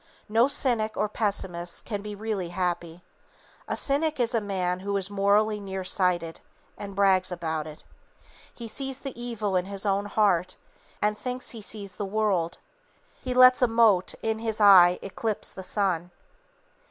No cynic or pessimist can be really happy. A cynic is a man who is morally near sighted, and brags about it. He sees the evil in his own heart, and thinks he sees the world. He lets a mote in his eye eclipse the sun.